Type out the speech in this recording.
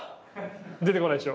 出てこないでしょ？